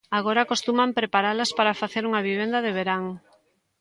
Agora acostuman preparalas para facer unha vivenda de verán.